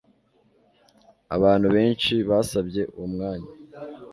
Abantu benshi basabye uwo mwanya.